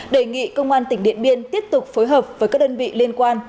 đề nghị công an tỉnh điện biên tiếp tục phối hợp với các đơn vị liên quan